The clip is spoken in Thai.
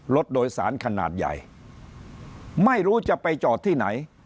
รถโดยสารขนาดใหญ่ไม่รู้จะไปจอดที่ไหน